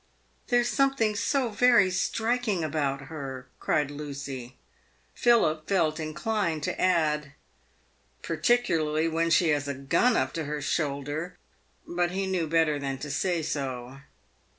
" There's something so very striking about her," cried Lucy. Philip felt inclined to add, " Particularly when she has a gun up to her shoulder ;" but he knew better than to say so.